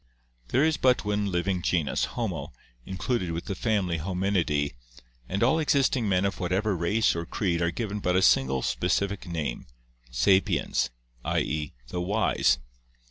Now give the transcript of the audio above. There is but one living genus, Homo, included within the family Hominidae, and all existing men of whatever race or creed are given but a single specific name, sapiens, i. e., the wise.